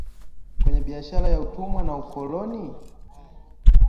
kwenye biashara ya utumwa na ukoloni?